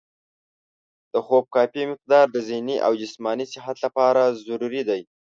د خوب کافي مقدار د ذهني او جسماني صحت لپاره ضروري دی.